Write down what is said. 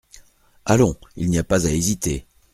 Allons, il n’y a pas à hésiter.